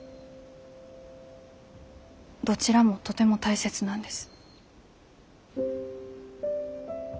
どちらもとても大切なんです。